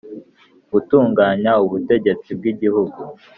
gutunganya ubutegetsi bw'igihugu